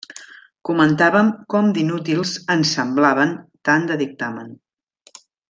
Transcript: Comentàvem com d'inútils ens semblaven tant de dictamen.